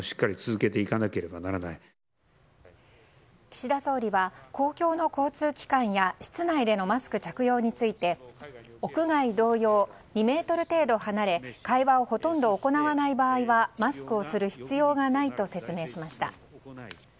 岸田総理は公共の交通機関や室内でのマスク着用について屋外同様２ｍ程度離れ、会話をほとんど行わない場合はマスクをする必要がないと説明しました。